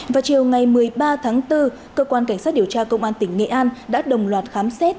vào chiều ngày một mươi ba tháng bốn cơ quan cảnh sát điều tra công an tỉnh nghệ an đã đồng loạt khám xét